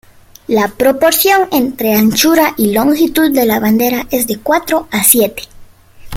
La proporción entre anchura y longitud de la bandera, es de cuatro a siete.